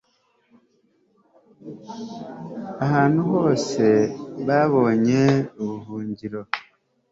ahantu hose babonye ubuhungiro